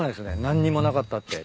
何にもなかったって。